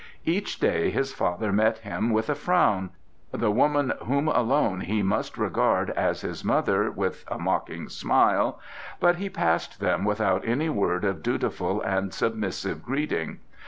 Each day his father met him with a frown, the woman whom alone he must regard as his mother with a mocking smile, but he passed them without any word of dutiful and submissive greeting.